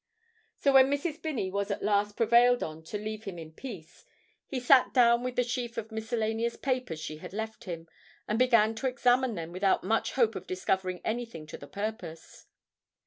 So when Mrs. Binney was at last prevailed on to leave him in peace, he sat down with the sheaf of miscellaneous papers she had left him, and began to examine them without much hope of discovering anything to the purpose.